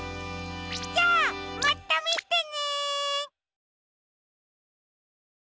じゃあまたみてね！